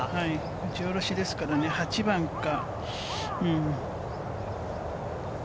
打ち下ろしですからね、８番か。